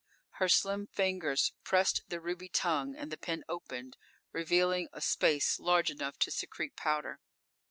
"_ _Her slim fingers pressed the ruby tongue and the pin opened, revealing a space large enough to secrete powder.